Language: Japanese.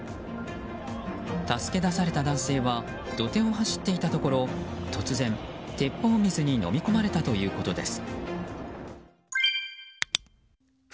助け出された男性は土手を走っていたところ突然、鉄砲水にのみ込まれたということです。